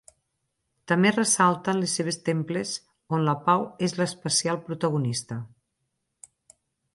També ressalten les seves temples on la pau és l'especial protagonista.